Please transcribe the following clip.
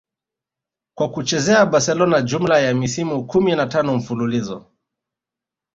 kwa kuchezea Barcelona jumla ya misimu kumi na tano mfululizo